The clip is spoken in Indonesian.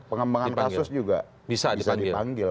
pengembangan kasus juga bisa dipanggil